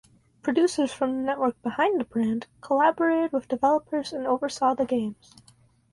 Producers from the network behind the brand collaborated with developers and oversaw the games.